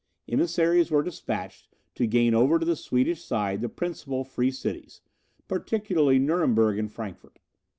Emissaries were despatched to gain over to the Swedish side the principal free cities, particularly Nuremberg and Frankfort.